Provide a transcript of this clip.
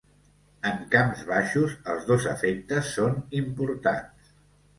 En camps baixos, els dos efectes són importants.